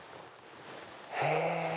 へぇ！